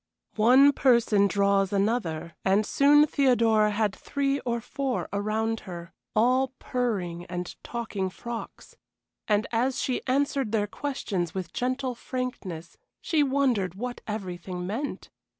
One person draws another, and soon Theodora had three or four around her all purring and talking frocks. And as she answered their questions with gentle frankness, she wondered what everything meant.